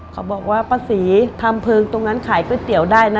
เขาบอกว่าป้าศรีทำเพลิงตรงนั้นขายก๋วยเตี๋ยวได้นะ